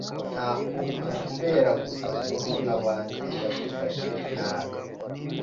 Ntuntuka kubera gusa murumuna wanjye yagufashe nabi.